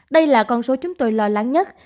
đây là con số chúng tôi lo lắng nhất